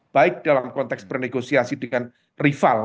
baik dalam konteks bernegosiasi dengan rival